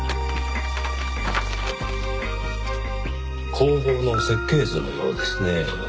工房の設計図のようですねぇ。